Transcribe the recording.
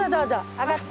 上がって。